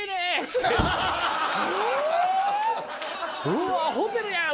うわホテルやん！